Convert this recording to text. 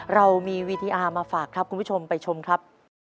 เรามีวีทีอาร์มาฝากครับคุณผู้ชมไปชมครับ